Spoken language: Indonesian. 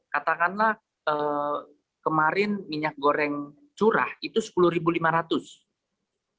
katakanlah kemarin minyak goreng curah itu rp sepuluh lima ratus